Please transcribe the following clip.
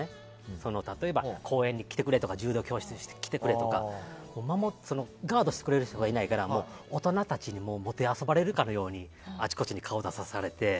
例えば、公園に来てくれとか柔道教室に来てくれとかガードしてくれる人がいないから大人たちにもてあそばれるかのようにあちこち顔を出されて。